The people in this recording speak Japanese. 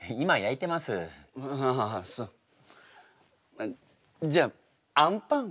あじゃああんパンは？